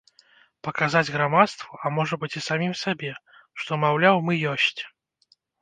Паказаць грамадству, а можа быць, і самім сабе, што, маўляў, мы ёсць.